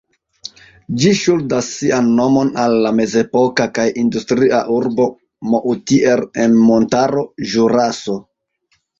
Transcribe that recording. Ĝi ŝuldas sian nomon al la mezepoka kaj industria urbo Moutier en montaro Ĵuraso.